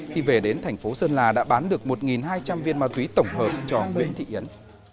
khi về đến thành phố sơn la đã bán được một hai trăm linh viên ma túy tổng hợp cho nguyễn thị yến